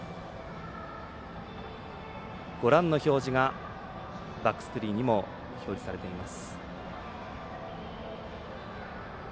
ご覧の表示がバックスクリーンにも表示されています。